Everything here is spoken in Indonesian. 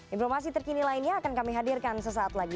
informasi terkini lainnya akan kami hadirkan sesaat lagi